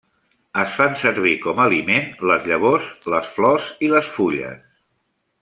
Es fan servir com aliment les llavors, les flors i les fulles.